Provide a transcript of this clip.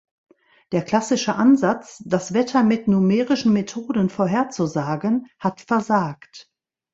Der klassische Ansatz, das Wetter mit numerischen Methoden vorherzusagen, hat versagt.